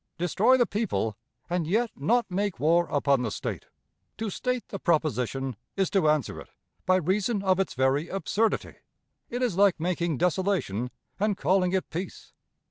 Destroy the people, and yet not make war upon the State! To state the proposition is to answer it, by reason of its very absurdity. It is like making desolation, and calling it peace.